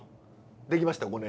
できました？